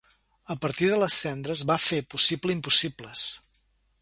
A partir de les cendres, va fer possible impossibles.